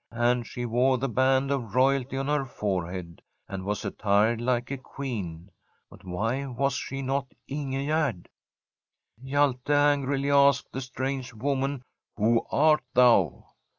And she wore the band of royalty on her forehead, and was attired like a Queen. But why was she not Ingegerd ? Hjalte angrily asked the strange woman :' Who art thou